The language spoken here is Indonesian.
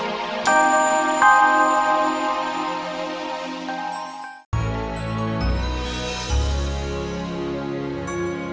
ka pes traded dong